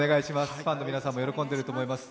ファンの皆さんも喜んでいると思います。